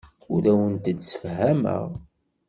Ur awent-d-ssefhameɣ.